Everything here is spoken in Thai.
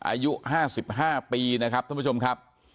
อายุห้าสิบห้าปีนะครับท่านผู้ชมครับ